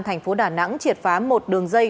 thành phố đà nẵng triệt phá một đường dây